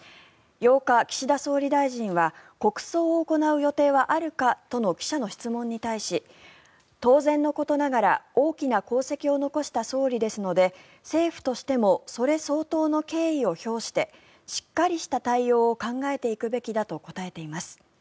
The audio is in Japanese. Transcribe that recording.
８日、岸田総理大臣は国葬を行う予定はあるかとの記者の質問に対し当然のことながら大きな功績を残した総理ですので政府としてもそれ相当の敬意を表してしっかりした対応を考えていくべきだと答えています。